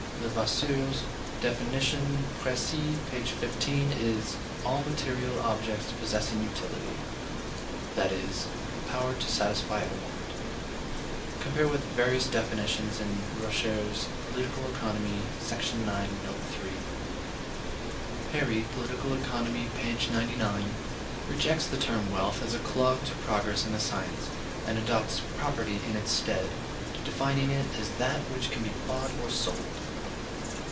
Levasseur's definition ("Précis," p. 15) is, "all material objects possessing utility" (i.e., the power to satisfy a want). (Cf. various definitions in Roscher's "Political Economy," section 9, note 3.) Perry ("Political Economy," p. 99) rejects the term wealth as a clog to progress in the science, and adopts property in its stead, defining it as that "which can be bought or sold."